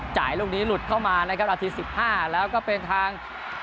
จ่ายรุ่นนี้หลุดเข้ามานะครับอาทิตย์๑๕แล้วก็เป็นทาง